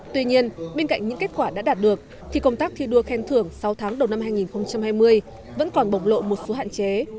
tuy nhiên bên cạnh những kết quả đã đạt được thì công tác thi đua khen thưởng sáu tháng đầu năm hai nghìn hai mươi vẫn còn bổng lộ một số hạn chế